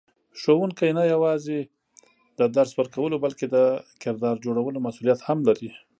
ښوونکی نه یوازې د درس ورکولو بلکې د کردار جوړولو مسئولیت هم لري.